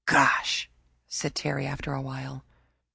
"Gosh!" said Terry, after a while.